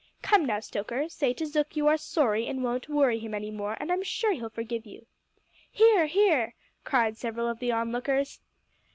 Come, now, Stoker, say to Zook you are sorry and won't worry him any more, and I'm sure he'll forgive you!" "Hear! hear!" cried several of the on lookers.